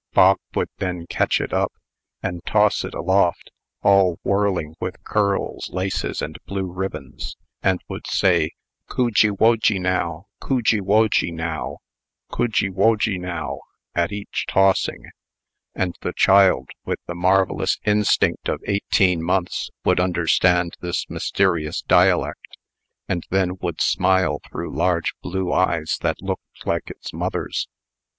Bog would then catch it up, and toss it aloft, all whirling with curls, laces, and blue ribbons, and would say, "Cud je wod je now, cud je wod je now, cud je wod je now," at each tossing; and the child, with the marvellous instinct of eighteen months, would understand this mysterious dialect, and then would smile through large blue eyes that looked like its mother's.